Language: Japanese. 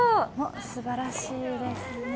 すばらしいですね。